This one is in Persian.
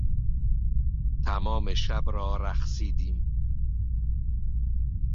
تمام شب را رقصیدیم.